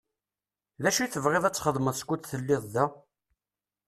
D acu i tebɣiḍ ad txedmeḍ skud telliḍ da?